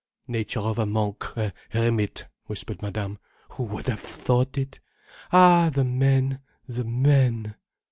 "Nature of a monk, a hermit," whispered Madame. "Who would have thought it! Ah, the men, the men!"